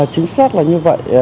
chính xác là như vậy